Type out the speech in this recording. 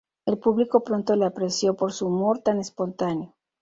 El público pronto le apreció por su humor tan espontáneo.